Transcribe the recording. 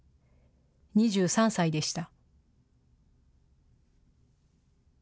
２３歳でした。